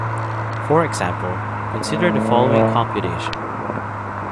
For example, consider the following computation.